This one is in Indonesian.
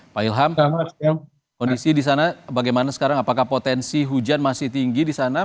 pak ilham kondisi di sana bagaimana sekarang apakah potensi hujan masih tinggi di sana